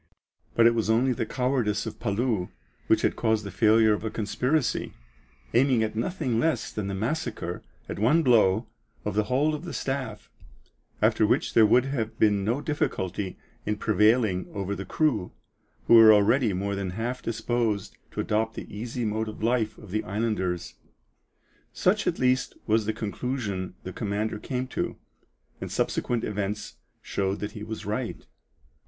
But it was only the cowardice of Palou which had caused the failure of a conspiracy, aiming at nothing less than the massacre, at one blow, of the whole of the staff, after which there would have been no difficulty in prevailing over the crew, who were already more than half disposed to adopt the easy mode of life of the islanders. Such at least was the conclusion the commander came to, and subsequent events showed that he was right.